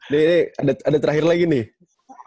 dede ada terakhir lagi nih